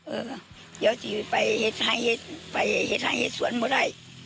เอออยากจะไปเฮ็ดห้างเฮ็ดไปเฮ็ดห้างเฮ็ดสวนไม่ได้